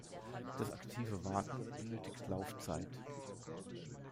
Das aktive Warten benötigt Laufzeit.